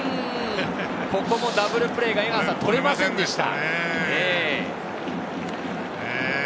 ここもダブルプレーが捕れませんでした。